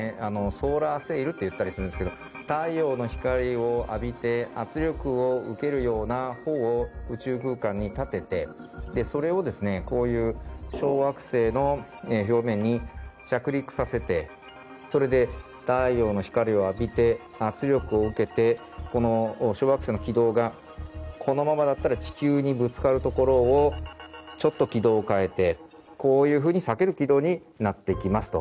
「ソーラーセイル」と言ったりするんですけど太陽の光を浴びて圧力を受けるような帆を宇宙空間に立ててそれをですねこういう小惑星の表面に着陸させてそれで太陽の光を浴びて圧力を受けてこの小惑星の軌道がこのままだったら地球にぶつかるところをちょっと軌道を変えてこういうふうに避ける軌道になっていきますと。